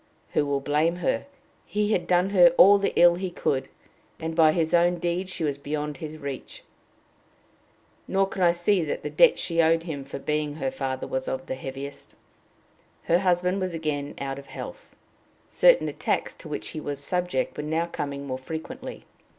Who will blame her? He had done her all the ill he could, and by his own deed she was beyond his reach. Nor can I see that the debt she owed him for being her father was of the heaviest. Her husband was again out of health certain attacks to which he was subject were now coming more frequently.